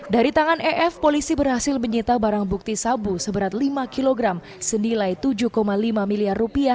dari tangan ef polisi berhasil menyita barang bukti sabu seberat lima kg senilai rp tujuh lima miliar